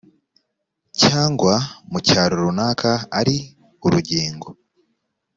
cyangwa mu cyaro runaka ari urugingo